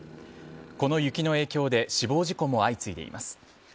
この雪の影響で死亡事故も相次いでいます。